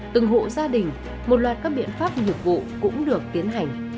từng hộ gia đình một loạt các biện pháp nghiệp vụ cũng được tiến hành